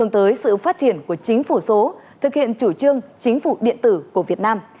để phát triển của chính phủ số thực hiện chủ trương chính phủ điện tử của việt nam